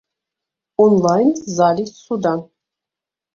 Онлайн з залі суда.